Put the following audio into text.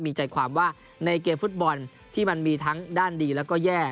มีใจความว่าในเกมฟุตบอลที่มันมีทั้งด้านดีแล้วก็แย่